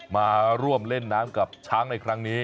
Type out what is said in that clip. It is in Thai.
มาร่วมเล่นน้ำกับช้างในครั้งนี้